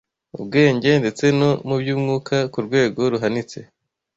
ubwenge ndetse no mu by’umwuka ku rwego ruhanitse